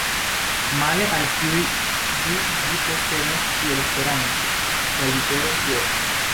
Male al tiuj du ĝi posedas, kiel Esperanto, la literon "ŭ".